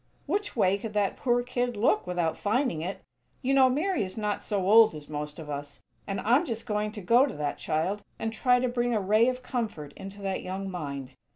Which way could that poor kid look without finding it? You know Mary is not so old as most of us; and I'm just going to go to that child and try to bring a ray of comfort into that young mind.